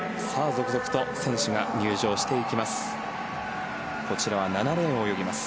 続々と選手が入場していきます。